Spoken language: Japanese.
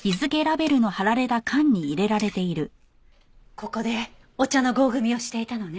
ここでお茶の合組をしていたのね。